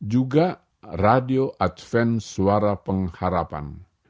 juga radio adven suara pengharapan